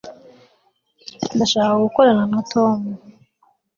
ndashaka gukorana na tom